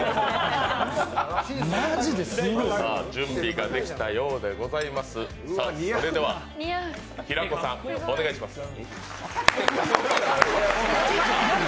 準備ができたようでございます、平子さん、お願いします。